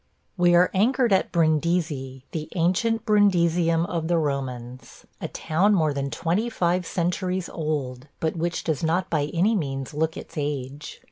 ... We are anchored at Brindisi – the ancient Brundusium of the Romans – a town more than twenty five centuries old, but which does not by any means look its age.